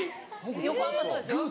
横浜そうですよ。